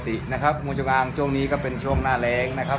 ปกตินะครับงูจงอางช่วงนี้ก็เป็นช่วงหน้าแรงนะครับ